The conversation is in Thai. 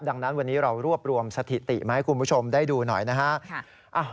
ดังนั้นวันนี้เรารวบรวมสถิติมาให้คุณผู้ชมได้ดูหน่อยนะฮะ